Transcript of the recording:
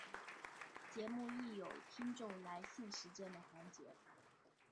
节目亦有听众来信时间的环节。